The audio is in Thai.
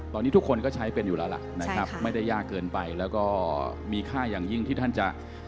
ตอนนี้ทุกคนก็ใช้เป็นอยู่แล้วล่ะนะครับไม่ได้ยากเกินไปแล้วก็มีค่าอย่างยิ่งที่ท่านจะ